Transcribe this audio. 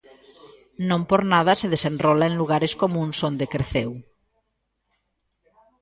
Non por nada se desenrola en lugares comúns onde creceu.